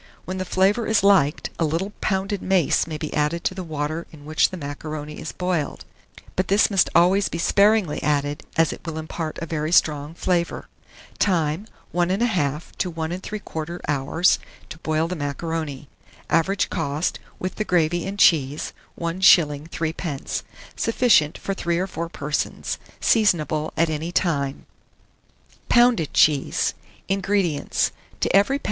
When the flavour is liked, a little pounded mace may be added to the water in which the macaroni is boiled; but this must always be sparingly added, as it will impart a very strong flavour. Time. 1 1/2 to 1 3/4 hour to boil the macaroni. Average cost, with the gravy and cheese, 1s. 3d. Sufficient for 3 or 4 persons. Seasonable at any time. POUNDED CHEESE. 1648. INGREDIENTS. To every lb.